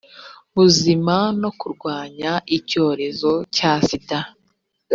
buzima no kurwanya icyorezo cya sida